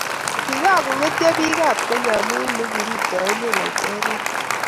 Kikakongetyo bik ab Kenya amu likiripto emet laitoriat